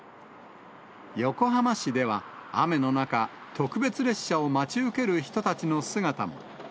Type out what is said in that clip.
横浜市では、雨の中、特別列車を待ち受ける人たちの姿も。